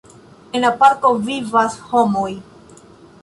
En la parko vivas homoj.